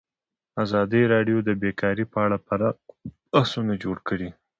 ازادي راډیو د بیکاري په اړه پراخ بحثونه جوړ کړي.